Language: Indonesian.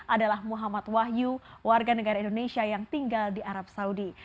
adalah muhammad wahyu warga negara indonesia yang tinggal di arab saudi